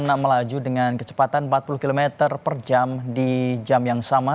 melaju dengan kecepatan empat puluh km per jam di jam yang sama